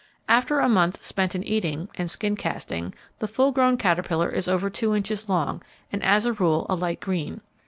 After a month spent in eating, and skin casting, the full grown caterpillar is over two inches long, and as a rule a light green.